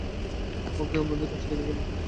ওকে আপনাদের কাছে রেখে গেলাম।